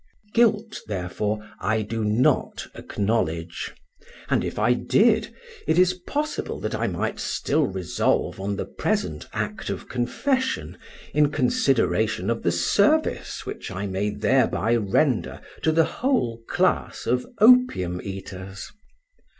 Guilt, therefore, I do not acknowledge; and if I did, it is possible that I might still resolve on the present act of confession in consideration of the service which I may thereby render to the whole class of opium eaters.